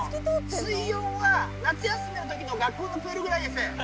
水温は、夏休みのときの学校のプールぐらいです。